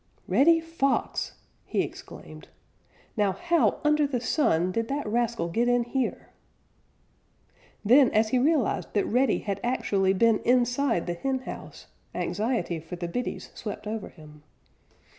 "Reddy Fox!" he exclaimed. "Now how under the sun did that rascal get in here?" Then, as he realized that Reddy had actually been inside the henhouse, anxiety for the biddies swept over him.